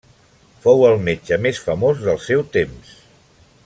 Fou el metge més famós del seu temps.